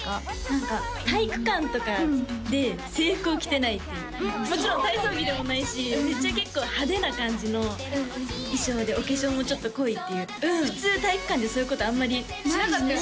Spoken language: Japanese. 何か体育館とかで制服を着てないっていうもちろん体操着でもないしめっちゃ結構派手な感じの衣装でお化粧もちょっと濃いっていう普通体育館でそういうことあんまりないね